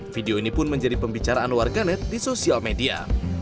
video ini pun menjadi pembicaraan warganet di sosial media